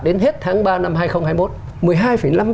đến hết tháng ba năm hai nghìn hai mươi một